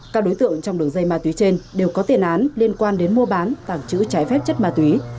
các đối tượng trong đường dây ma túy trên đều có tiền án liên quan đến mua bán tàng trữ trái phép chất ma túy